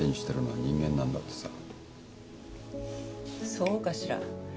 そうかしら。